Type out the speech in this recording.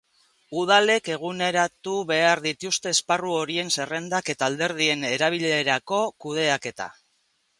Udalek eguneratu behar dituzte esparru horien zerrendak eta alderdien erabilerarako kudeaketa.